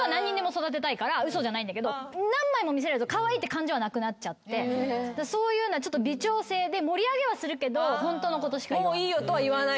嘘じゃないんだけど何枚も見せられるとカワイイって感情はなくなっちゃってそういうのは微調整で盛り上げはするけどホントのことしか言わない。